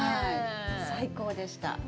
最高でした。